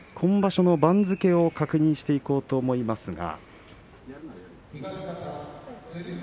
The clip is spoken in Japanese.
今場所の番付を確認していこうと思います。